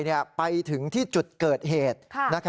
ไปถึงที่จุดเกิดเหตุ